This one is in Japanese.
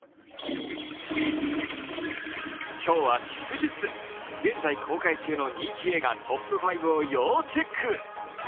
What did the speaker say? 今日は祝日、現在公開中の人気映画トップ５を要チェック。